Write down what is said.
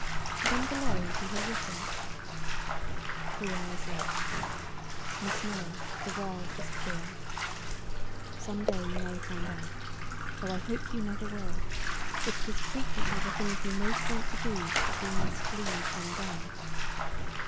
Then below he had written: "Three hours later. Miss Noah, the world is queer. Some day you may find out though I hope you never will that it is frequently the things we most want to do that we must leave undone.